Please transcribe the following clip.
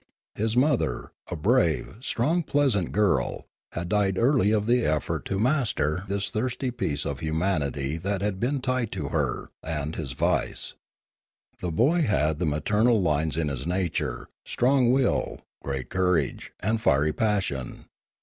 His mother, a brave, strong little peasant girl, had died early of the effort to master this thirsty piece of humanity that had been tied to her, and his vice. The boy had the maternal lines in his nature, strong will, great courage, and fiery passion.